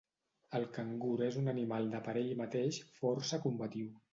El cangur és un animal de per ell mateix força combatiu.